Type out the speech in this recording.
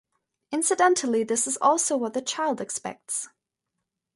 Incidentally, this is also what the child expects.